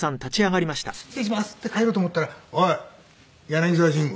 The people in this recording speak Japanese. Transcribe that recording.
「失礼します」って帰ろうと思ったら「おい柳沢慎吾」